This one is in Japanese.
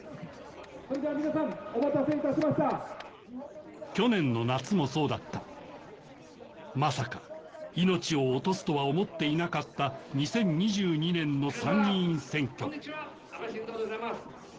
それでは皆さんお待たせいたしました・去年の夏もそうだったまさか命を落とすとは思っていなかった２０２２年の参議院選挙こんにちは安倍晋三でございます。